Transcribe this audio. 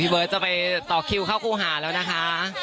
เบิร์ตจะไปต่อคิวเข้าครูหาแล้วนะคะ